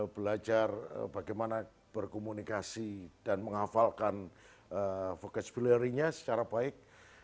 belajar bagaimana berkomunikasi dan menghafalkan vocabularinya secara baik